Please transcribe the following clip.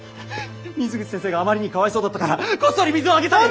水口先生があまりにかわいそうだったからこっそり水をあげたり。